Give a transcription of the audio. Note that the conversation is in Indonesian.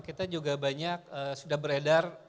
kita juga banyak sudah beredar